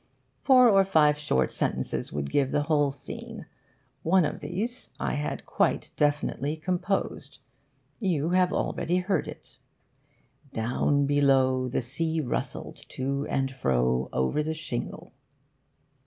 Four or five short sentences would give the whole scene. One of these I had quite definitely composed. You have already heard it. 'Down below, the sea rustled to and fro over the shingle.